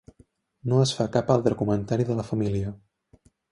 No es fa cap altre comentari de la família.